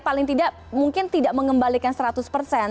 paling tidak mungkin tidak mengembalikan seratus persen